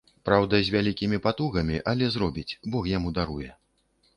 Праўда, з вялікімі патугамі, але зробіць, бог яму даруе.